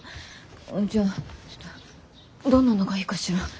じゃあどんなのがいいかしら。